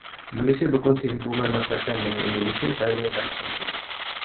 Malaysia berkongsi hubungan masakan dengan Indonesia, Thailand dan Filipina.